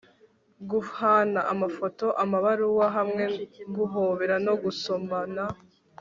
guhana amafoto, amabaruwa hamwe guhobera no gusomana